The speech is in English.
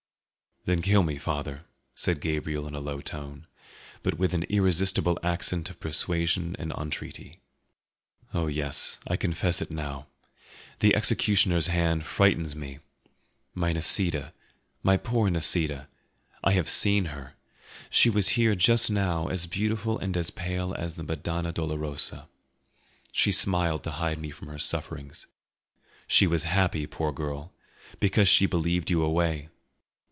"Then kill me, father," said Gabriel in a low tone, but with an irresistible accent of persuasion and entreaty; "oh yes, I confess it now, the executioner's hand frightens me. My Nisida, my poor Nisida, I have seen her; she was here just now, as beautiful and as pale as the Madonna Dolorosa; she smiled to hide from me her sufferings. She was happy, poor girl, because she believed you away.